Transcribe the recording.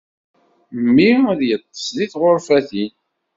Mmi ad yeṭṭes deg tɣurfatin.